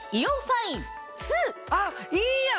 あいいやん！